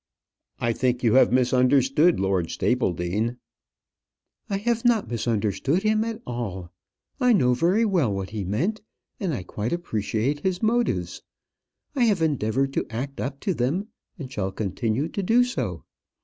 "I think you have misunderstood Lord Stapledean." "I have not misunderstood him at all. I know very well what he meant, and I quite appreciate his motives. I have endeavoured to act up to them, and shall continue to do so.